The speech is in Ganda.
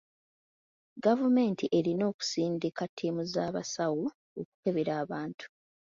Gavumenti erina okusindika ttiimu z'abasawo okukebera abantu.